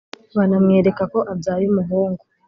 banamwereka ko abyaye umuhungu